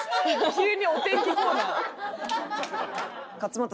急にお天気コーナー。